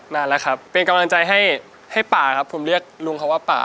นานแล้วครับเป็นกำลังใจให้ให้ป่าครับผมเรียกลุงเขาว่าป่า